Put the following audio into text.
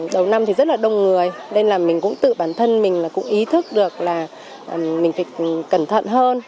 đầu năm thì rất là đông người nên là mình cũng tự bản thân mình là cũng ý thức được là mình phải cẩn thận hơn